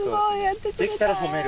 できたら褒める。